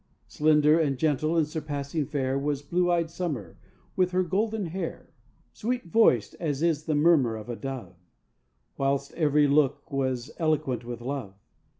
Slender and gentle and surpassing fair Was blue eyed Summer with her golden hair, Sweet voiced as is the murmur of a dove, Whilst every look was eloquent with love.